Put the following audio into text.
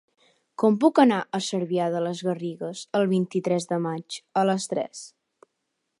Com puc anar a Cervià de les Garrigues el vint-i-tres de maig a les tres?